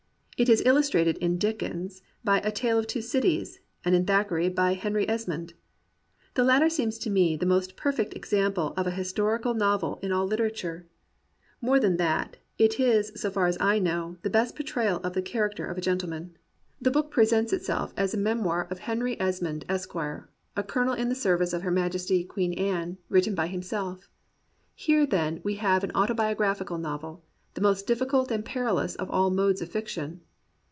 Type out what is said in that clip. It is illustrated in Dickens by A Tale of Two Cities, and in Thackeray by Henry Esmond, The latter seems to me the most perfect example of a historical novel in all literature. More than that, — it is, so far as I know, the best portrayal of the character of a gentleman. 1^ COMPANIONABLE BOOKS The book presents itself as a memoir of Hemy Esmond, Esq., a colonel in the service of her Maj esty, Queen Anne, written by himself. Here, then, we have an autobiographical novel, the most diffi cult and perilous of all modes of fiction.